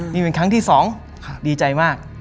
นี่เป็นครั้งที่๒ดีใจมาก